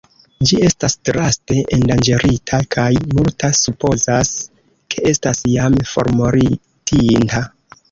Ĝi estas draste endanĝerita kaj multaj supozas, ke estas jam formortinta.